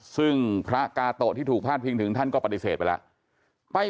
ซึ่งพระกาโตะที่ถูกพาดพิงถึงท่านก็ปฏิเสธไปแล้ว